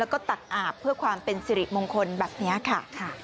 แล้วก็ตักอาบเพื่อความเป็นสิริมงคลแบบนี้ค่ะ